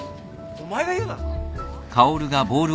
お前が言うな。